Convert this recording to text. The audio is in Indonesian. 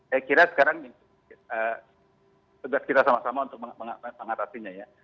saya kira sekarang tugas kita sama sama untuk mengatasinya ya